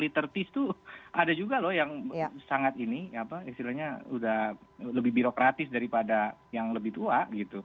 biasanya birokratis tuh ada juga loh yang sangat ini apa istilahnya udah lebih birokratis daripada yang lebih tua gitu